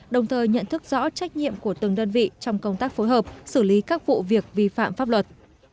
đồng thời nhận thức rõ trách nhiệm của từng đơn vị trong công tác phối hợp xử lý các vụ việc vi phạm pháp luật